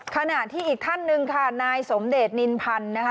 ขณะที่อีกท่านหนึ่งค่ะนายสมเดชนินพันธ์นะคะ